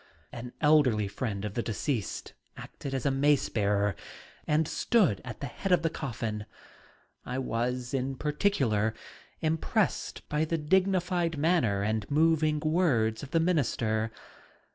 An elderly friend of the deceased acted as mace bearer and stood at the head of the coffin. I was particularly impressed by the dignified manner and moving words of the minister.